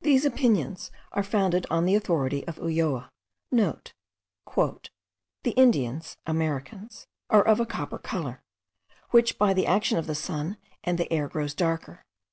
These opinions are founded on the authority of Ulloa.* (* "The Indians [Americans] are of a copper colour, which by the action of the sun and the air grows darker.